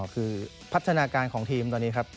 คือพัฒนาการของทีมตอนนี้ครับ